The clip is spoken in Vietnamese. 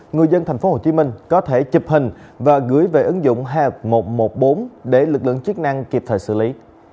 người dân tp hcm có thể chụp hình và gửi về ứng dụng một trăm một mươi bốn để lực lượng chức năng kịp thời xử lý